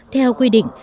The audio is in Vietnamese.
theo quy định